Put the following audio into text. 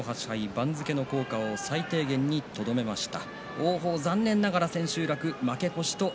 番付が落ちるのを最低限にとどめました。